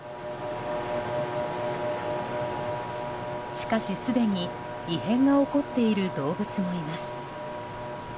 しかしすでに異変が起こっている動物もいます。